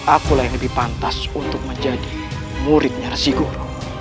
akulah yang lebih pantas untuk menjadi muridnya resigum